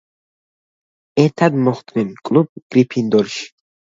ერთად მოხვდებიან კლუბ გრიფინდორში.